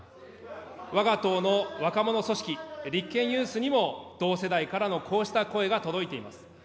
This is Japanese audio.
わが党の若者組織、りっけんユースにも同世代からのこうした声が届いています。